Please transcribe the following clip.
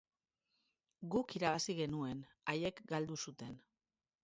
Guk irabazi genuen, haiek galdu zuten.